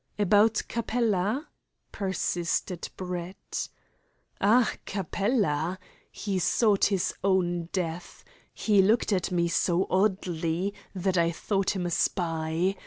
"About Capella?" persisted Brett. "Ah, Capella. He sought his own death. He looked at me so oddly that I thought him a spy.